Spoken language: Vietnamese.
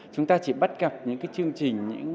chúng ta chỉ bắt gặp những cái chương trình